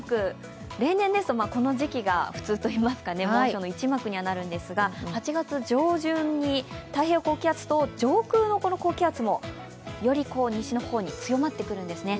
例年ですとこの時期が普通といいますか猛暑の１幕になるんですが８月上旬に太平洋高気圧と上空の高気圧もより西の方に強まってくるんですね。